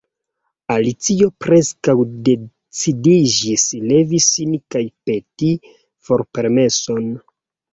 Alicio preskaŭ decidiĝis levi sin kaj peti forpermeson.